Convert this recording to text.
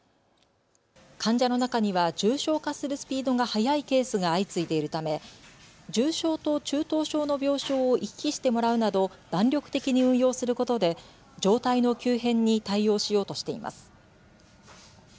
患者の中には重症化するスピードが速いケースが相次いでいるため重症と中等症の病床を行き来してもらうなど弾力的に運用することで状態の急変に対応しようとしています。